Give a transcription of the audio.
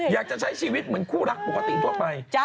อยากจะใช้ชีวิตเหมือนคู่รักปกติทั่วไป